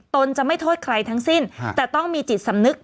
ตนจะไม่โทษใครทั้งสิ้นแต่ต้องมีจิตสำนึก